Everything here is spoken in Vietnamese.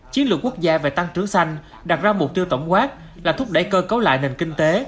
chiến lược quốc gia về tăng trưởng xanh đặt ra mục tiêu tổng quát là thúc đẩy cơ cấu lại nền kinh tế